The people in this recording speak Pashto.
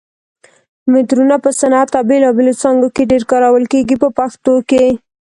مترونه په صنعت او بېلابېلو څانګو کې ډېر کارول کېږي په پښتو کې.